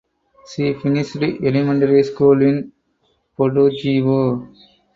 She finished elementary school in Podujevo.